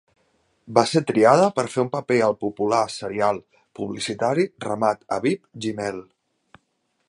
Va ser triada per fer un paper al popular serial publicitari "Ramat Aviv Gimmel".